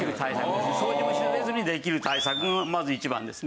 掃除もせずにできる対策がまず一番ですね。